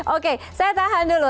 oke saya tahan dulu